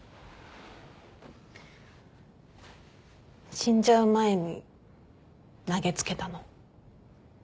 死んじゃう前に投げつけたの？